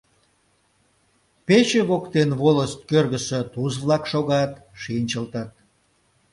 Пече воктен волость кӧргысӧ «туз-влак» шогат, шинчылтыт.